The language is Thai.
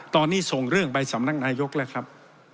ตอนนี้ส่งเรื่องไปสำนักนายกแล้วครับ